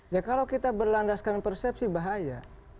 ya kalau kita berlandaskan persepsi bahaya